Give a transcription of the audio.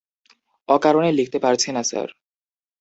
অকারণে লিখতে বলছি না স্যার।